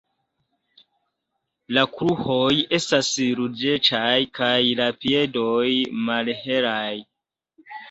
La kruroj estas ruĝecaj kaj la piedoj malhelaj.